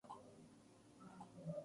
La estatua tardó en hacerse tres años.